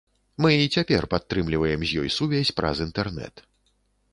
Мы і цяпер падтрымліваем з ёй сувязь праз інтэрнэт.